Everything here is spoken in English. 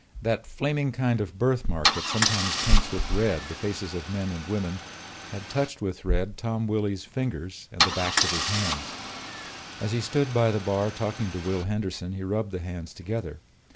That flaming kind of birthmark that sometimes paints with red the faces of men and women had touched with red Tom Willy's fingers and the backs of his hands. As he stood by the bar talking to Will Henderson he rubbed the hands together.